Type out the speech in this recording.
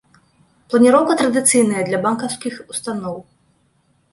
Планіроўка традыцыйная для банкаўскіх устаноў.